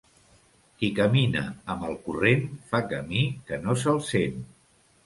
Qui camina amb el corrent fa camí que no se'l sent.